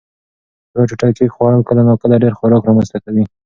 یوه ټوټه کېک خوړل کله ناکله ډېر خوراک رامنځ ته کوي.